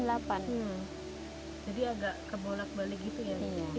jadi agak kebolak balik gitu ya